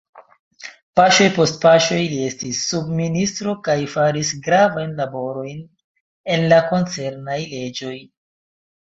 Paŝoj post paŝoj li estis subministro kaj faris gravajn laborojn en la koncernaj leĝoj.